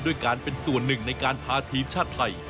ด้วยการเป็นส่วนหนึ่งในการพาทีมชาติไทย